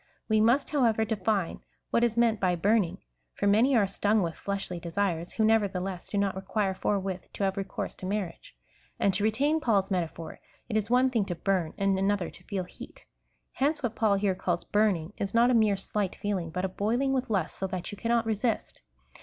We must, however, define what is meant by burning ; for many are stung with fleshly desires, who, nevertheless, do not require forthwith to have recourse to marriage. And to retain Paul's metaphor, it is one thing to burn and another to feel heat. Hence what Paul here calls burning, is not a mere slight feeling, but a boiling with lust, so that you cannot resist.